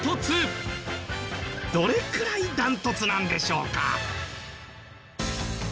どれくらいダントツなんでしょうか？